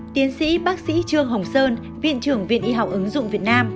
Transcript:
tiến sĩ bác sĩ trương hồng sơn viện trưởng viện y học ứng dụng việt nam